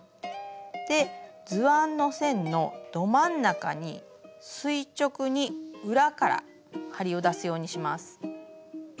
図案の線のど真ん中に垂直に裏から針を出すようにします。